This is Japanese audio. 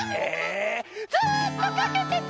ずっとかけてて！